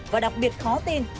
và đặc biệt khó tin